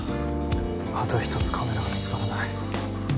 あと１つカメラが見つからない。